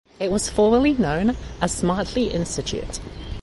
It was formerly known as Smartly Institute.